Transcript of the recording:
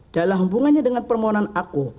dalam hubungannya dengan permohonan aku